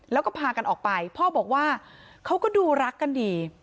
แล้วก็พากันออกไปพ่อบอกว่าเขาก็ดูรักกันดี